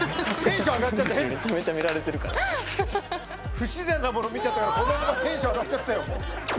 不自然なもの見ちゃったから子供がテンション上がっちゃったよ。